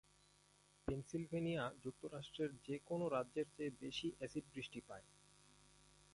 Pennsylvania যুক্তরাষ্ট্রের যে কোন রাজ্যের চেয়ে বেশি এসিড বৃষ্টি পায়।